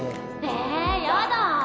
えやだ。